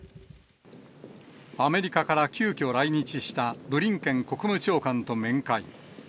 アメリカから急きょ来日したブリンケン国務長官と面会。